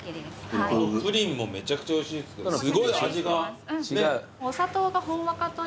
プリンもめちゃくちゃおいしいですけどすごい味がねっ。